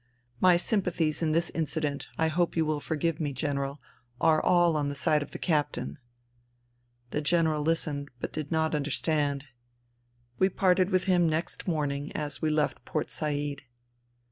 My sympathies in this incident, I hope you will forgive me, General, are all on the side of the captain." The General listened, but did not understand. We parted with him next morning, as we left Port Said.